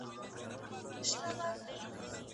شور د کربلا کي به د شرنګ خبري نه کوو